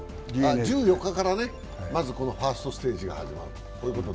１４日からね、まずファーストステージが始まる。